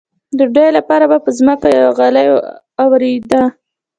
د ډوډۍ لپاره به په ځمکه یوه غالۍ اوارېده.